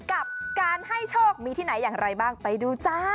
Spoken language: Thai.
กับการให้โชคมีที่ไหนอย่างไรบ้างไปดูจ้า